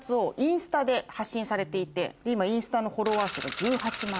されていて今インスタのフォロワー数が１８万人。